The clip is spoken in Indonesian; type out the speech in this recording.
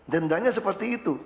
dendanya seperti itu